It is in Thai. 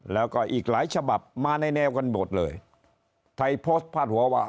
แล้วก็อีกหลายฉบับมาในแนวกันหมดเลยไทยโพสต์พาดหัวว่า